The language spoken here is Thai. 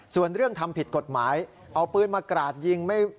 ส่วนเรื่องทำผิดกฎหมายเอาปืนมากราดยิง